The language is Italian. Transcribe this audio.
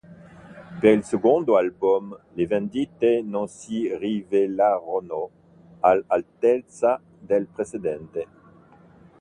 Per il secondo album le vendite non si rivelarono all'altezza del precedente.